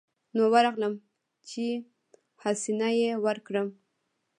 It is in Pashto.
نو ورغلم چې حسنه يې ورکړم.